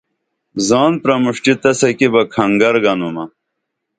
زان پرمُݜٹی تسہ کی بہ کھنگر گنُمہ